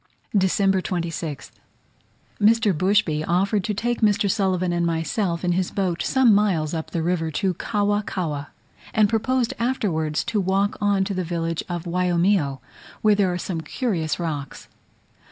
December 26th. Mr. Bushby offered to take Mr. Sulivan and myself in his boat some miles up the river to Cawa Cawa, and proposed afterwards to walk on to the village of Waiomio, where there are some curious rocks.